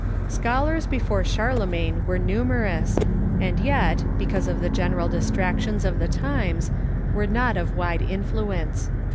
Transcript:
Scholars before Charlemagne were numerous, and yet, be cause of the general distractions of the times, were not of Avide influence.